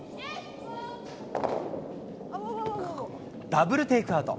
ダブルテイクアウト。